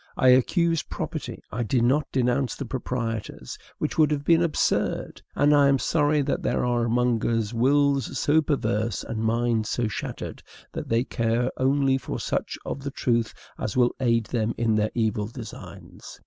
I accused property; I did not denounce the proprietors, which would have been absurd: and I am sorry that there are among us wills so perverse and minds so shattered that they care for only so much of the truth as will aid them in their evil designs.